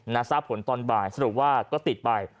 ทราบผลตอนบ่ายสรุปว่าก็ติดไป